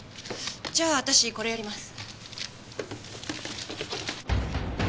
じゃあ私これやります。